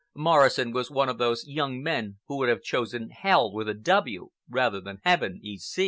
Morrison was one of those young men who would have chosen Hell with a "W" rather than Heaven E.